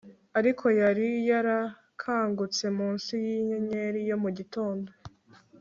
Ariko yari yarakangutse munsi yinyenyeri yo mu gitondo